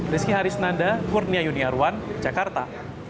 rizky harisnanda kurnia yuniarwan jakarta